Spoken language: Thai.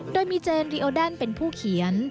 โดยมีเจนรีโอแดนเป็นผู้เขียน